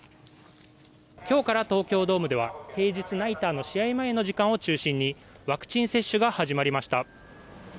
今日から東京ドームでは平日ナイターの試合前の時間を中心にワクチン接種が始まりました。